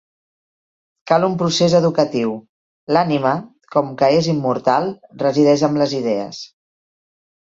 Cal un procés educatiu: l'ànima, com que és immortal, resideix amb les idees.